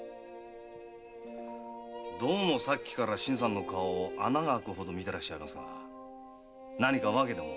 どうもさっきから新さんの顔を穴が開くほど見ておりますが何か訳でも？